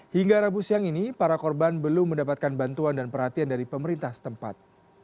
hingga rabu siang ini para korban belum mendapatkan bantuan dan perhatian dari pemerintah setempat